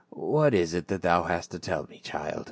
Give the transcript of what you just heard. "What is it that thou hast to tell me, my child?"